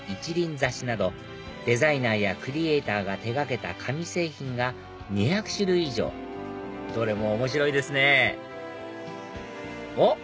挿しなどデザイナーやクリエーターが手掛けた紙製品が２００種類以上どれも面白いですねおっ！